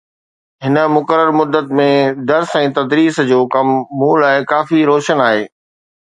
هن مقرر مدت ۾ درس و تدريس جو ڪم مون لاءِ ڪافي روشن آهي